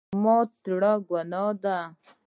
زړه ماتول ګناه ده